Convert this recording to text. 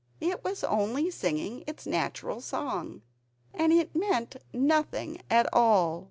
It was only singing its natural song, and it meant nothing at all.